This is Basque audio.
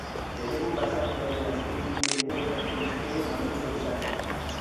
Eremu basatiaren azken bi mendeetako historia mamitsua izan da.